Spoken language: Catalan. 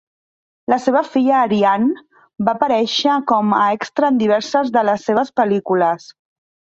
La seva filla Arianne va aparèixer com a extra en diverses de les seves pel·lícules.